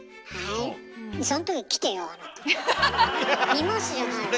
「見ます」じゃないわよ。